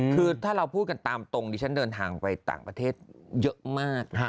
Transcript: คือถ้าเราพูดกันตามตรงดิฉันเดินทางไปต่างประเทศเยอะมาก